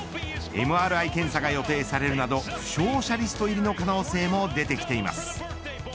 ＭＲＩ検査が予定されるなど負傷者リスト入りの可能性も出てきています。